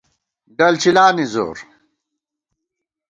ڈل چِلا نی زور